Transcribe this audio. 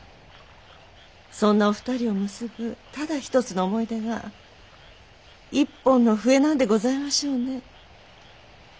そんなお二人を結ぶただひとつの思い出が一本の笛なんでございましょうね。